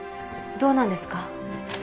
どうなんですか？